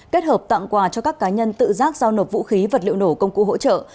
kết hợp tặng quà cho các cá nhân tự giác giao nộp vũ khí vật liệu nổ công cụ hỗ trợ